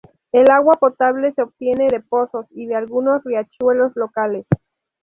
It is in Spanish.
El agua potable se obtiene de pozos y de algunos riachuelos locales.